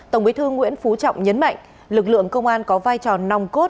tổng bí thư nguyễn phú trọng nhấn mạnh lực lượng công an có vai trò nòng cốt